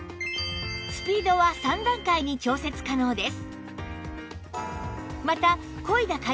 スピードは３段階に調節可能です